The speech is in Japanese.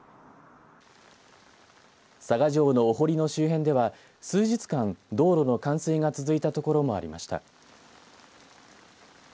佐賀城のお堀の周辺では数日間、道路の冠水が続いた所もありました。